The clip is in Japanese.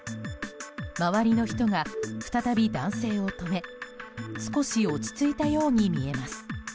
周りの人が再び男性を止め少し落ち着いたように見えます。